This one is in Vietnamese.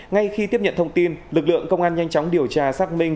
ngay khi tiếp nhận thông tin lực lượng công an nhanh chóng điều tra xác minh